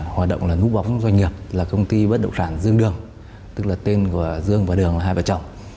hoạt động là núp bóng doanh nghiệp là công ty bất đậu sản dương đường tức là tên của dương và đường là hai vợ chồng